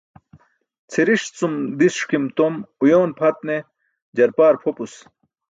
Cʰiriṣ cum diṣkim tom uyoon pʰat ne jarpaar pʰopus.